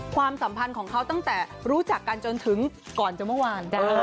ความสัมพันธ์ของเขาตั้งแต่รู้จักกันจนถึงก่อนจนเมื่อวาน